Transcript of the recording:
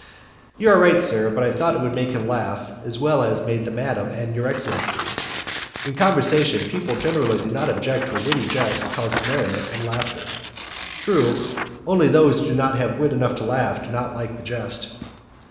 "You are right, sir, but I thought it would make him laugh as well as it made madam and your excellency. In conversation people generally do not object to a witty jest causing merriment and laughter." "True; only those who have not wit enough to laugh do not like the jest."